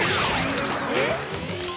えっ？